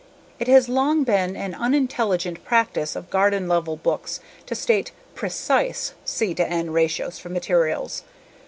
It has long been an unintelligent practice of garden level books to state "precise" C/N ratios for materials.